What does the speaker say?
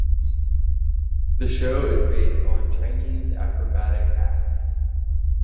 The show is based on Chinese acrobatic acts.